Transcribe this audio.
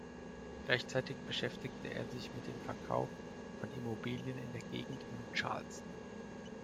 Gleichzeitig beschäftigte er sich mit dem Verkauf von Immobilien in der Gegend um Charleston.